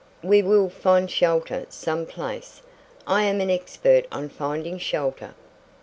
"We will find shelter some place. I am an expert on finding shelter!"